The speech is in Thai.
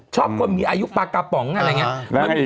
ชอบคนมีอายุปลากระป๋องอะไรอย่างนี้